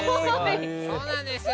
そうなんです。